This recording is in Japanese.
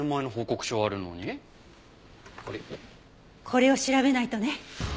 これを調べないとね。